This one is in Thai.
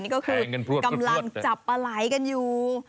นี่ก็คือกำลังจับปลาไหล่กันอยู่